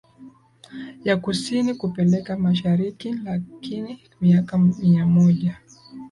ya Kusini kupeleka Mashariki lakini miaka miamoja